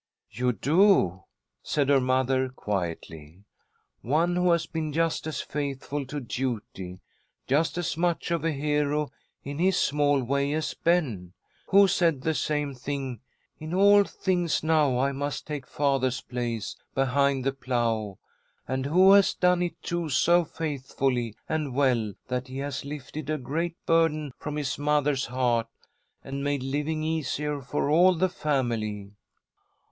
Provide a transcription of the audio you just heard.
"You do," said her mother, quietly. "One who has been just as faithful to duty, just as much of a hero in his small way as Ben. Who said the same thing, 'In all things now, I must take father's place behind the plough,' and who has done it, too, so faithfully and well that he has lifted a great burden from his mother's heart, and made living easier for all the family."